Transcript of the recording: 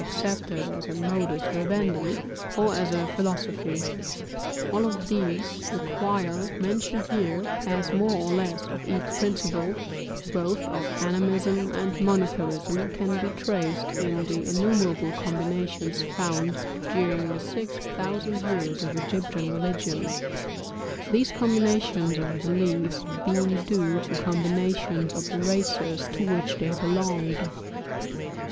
accepted as a modus vivendi ( Jealous Monotheism. ) or as a philosophy. ( Sole Monotheism. ) All of these require mention here, as more or less of each principle, both of animism and monotheism, can be traced in the innumerable combinations found during the six thousand years of Egyptian religion: these combinations of beliefs being due to combinations of the races to which they belonged.